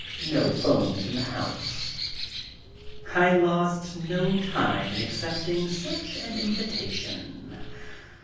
No phones in the house." I lost no time in accepting such an invitation.